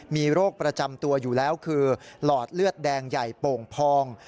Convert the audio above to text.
มีโรคประจำตัวอยู่แล้วคือหลอดเลือดแดงใหญ่โป่งพอง